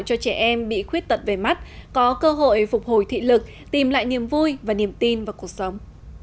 cho trẻ em bị khuyết tật về mắt có cơ hội phục hồi thị lực tìm lại niềm vui và niềm tin vào cuộc sống